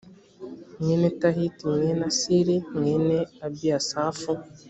mwene tahati mwene asiri mwene ebiyasafu